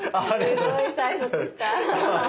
すごい催促した。